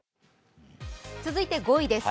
続いて５位です。